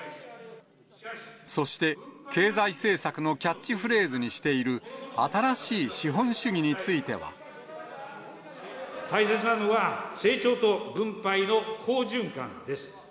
そして、経済政策のキャッチフレーズにしている、新しい資本主義について大切なのは、成長と分配の好循環です。